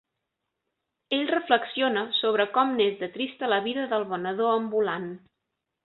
Ell reflexiona sobre com n'és de trista la vida del venedor ambulant.